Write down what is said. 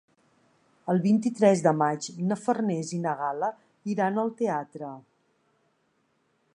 El vint-i-tres de maig na Farners i na Gal·la iran al teatre.